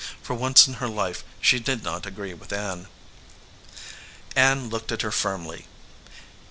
For once in her life she did not agree with Ann. Ann looked at her firmly.